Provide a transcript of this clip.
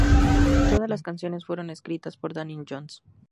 Todas las canciones fueron escritas por Daniel Johns.